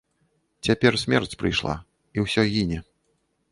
Цяпер смерць прыйшла, і ўсё гіне.